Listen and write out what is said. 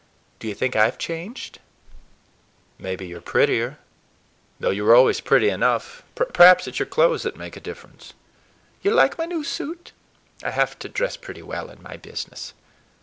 Do you think I've changed?" "Maybe you're prettier—though you were always pretty enough. Perhaps it's your clothes that make a difference." "You like my new suit? I have to dress pretty well in my business."